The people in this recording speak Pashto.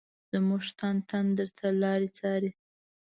زمونږ تن تن درته لاري څاري